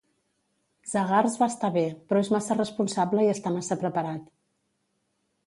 Zagars va estar bé, però és massa responsable i està massa preparat.